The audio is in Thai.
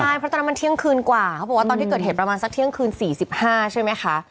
ใช่เพราะตอนนั้นมันเที่ยงคืนกว่าเขาบอกว่าตอนที่เกิดเหตุประมาณสักเที่ยงคืน๔๕ใช่ไหมคะ